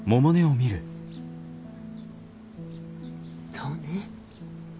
そうね。